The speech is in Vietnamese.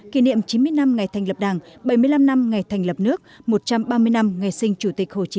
kỷ niệm chín mươi năm ngày thành lập đảng bảy mươi năm năm ngày thành lập nước một trăm ba mươi năm ngày sinh chủ tịch hồ chí